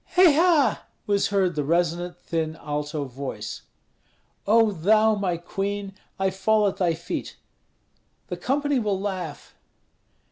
"Hei ha!" was heard the resonant, thin alto voice. "O thou, my queen! I fall at thy feet." "The company will laugh."